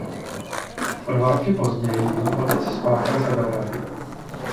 O dva roky později její otec spáchal sebevraždu.